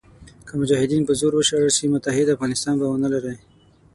که مجاهدین په زور وشړل شي متحد افغانستان به ونه لرئ.